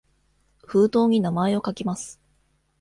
封筒に名前を書きます。